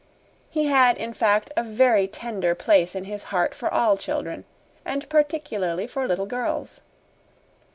He had, in fact, a very tender place in his heart for all children, and particularly for little girls.